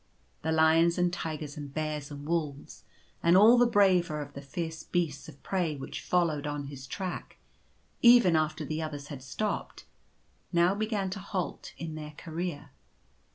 The lions and tigers, and bears, and wolves, and all the braver of the fierce beasts of prey which followed on his track even after the others had stopped, now began to halt in their career.